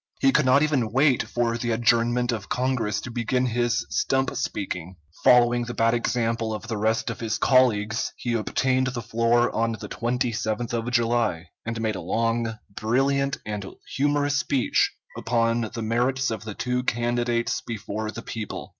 He could not even wait for the adjournment of Congress to begin his stump speaking. Following the bad example of the rest of his colleagues, he obtained the floor on the 27th of July, and made a long, brilliant, and humorous speech upon the merits of the two candidates before the people.